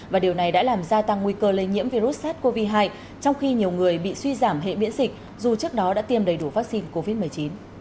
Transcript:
và điều này đã làm gia tăng nguy cơ lây nhiễm virus sars cov hai trong khi nhiều người bị suy giảm hệ biễn dịch dù trước đó đã tiêm đầy đủ vaccine covid một mươi chín